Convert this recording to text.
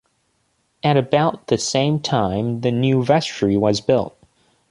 At about the same time, the new vestry was built.